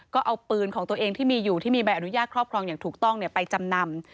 ก็เอาปืนของตัวเองที่มีอยู่ที่มีใบอนุญาตครอบครองอย่างถูกต้องไปจำนำ